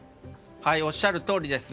おっしゃるとおりです。